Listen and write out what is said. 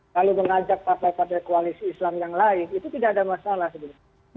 kalau mengajak partai partai koalisi islam yang lain itu tidak ada masalah sebenarnya